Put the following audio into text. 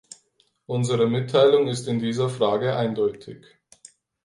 Unsere Mitteilung ist in dieser Frage eindeutig.